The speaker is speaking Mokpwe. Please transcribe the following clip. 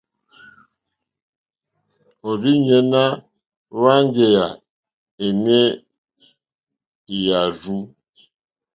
Òrzìɲɛ́ ná hwáŋɡèyà énè hwàrzù.